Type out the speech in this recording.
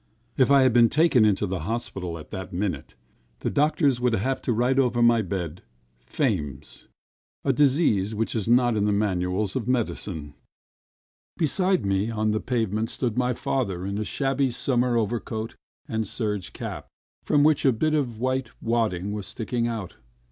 If I had been taken into a hospital at that minute, the doctors would have had to write over my bed: Fames, a disease which is not in the manuals of medicine. Beside me on the pavement stood my father in a shabby summer overcoat and a serge cap, from which a bit of white wadding was sticking out.